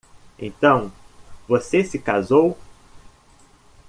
Então você se casou?